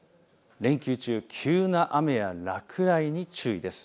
連休中、急な雨や落雷に注意です。